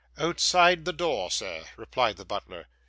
'Outside the door, sir,' replied the butler.